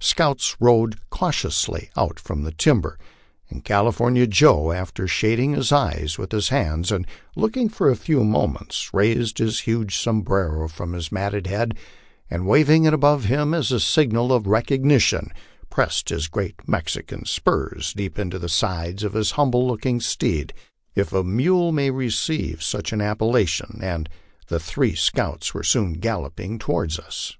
scouts rode cautiously out from the timber, and California Joe, after shading his eyes with his hand and looking for a few moments, raised his huge som brero from his matted head, and waving it above him as a signal of recogni tion, pressed his great Mexican spurs deep into the sides of his humble looking steed, if a mule may receive such an appellation, and the three scouts were soon galloping toward us.